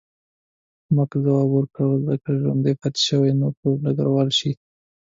مک ځواب ورکړ، که ژوندی پاتې شوې نو به ډګروال شې.